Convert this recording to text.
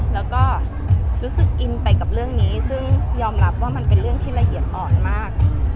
แล้วก็รู้สึกอินไปกับเรื่องนี้ซึ่งยอมรับว่ามันเป็นเรื่องที่ละเอียดอ่อนมาก